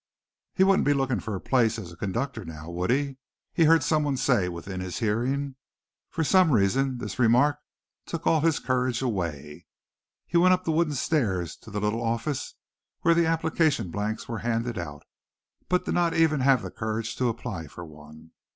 "He wouldn't be after lookin' fer a place as a conductor now, would he?" he heard someone say within his hearing. For some reason this remark took all his courage away. He went up the wooden stairs to the little office where the application blanks were handed out, but did not even have the courage to apply for one.